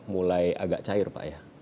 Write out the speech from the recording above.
mulai agak cair pak ya